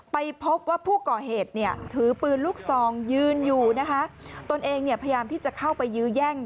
ไปพบว่าผู้ก่อเหตุทือปืนลูกทรองยืนอยู่ตนเองพยามที่จะเข้าไปยื้อย่าง